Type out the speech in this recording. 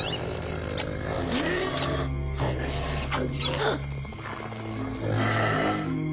あっ。